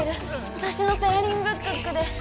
わたしの「ペラリンブックック」で！